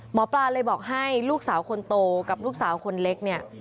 หมอปลาเลยบอกให้ลูกสาวคนโตกับลูกสาวคนเล็กเนี่ย